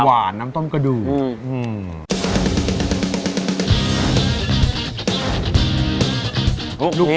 น้ำต้มกระดูก